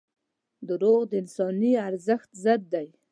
• دروغ د انساني ارزښت ضد دي.